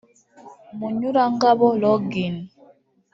Munyurangabo Longin